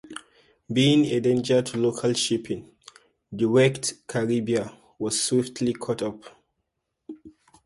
Being a danger to local shipping, the wrecked "Caribia" was swiftly cut up.